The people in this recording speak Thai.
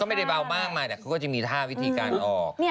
ไม่ได้เบามากมายแต่เขาก็จะมีท่าวิธีการออก